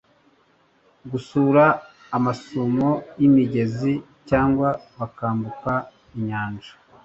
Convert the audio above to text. gusura amasumo y’imigezi, cyangwa bakambuka inyanja,